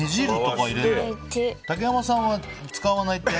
竹山さんは使わない？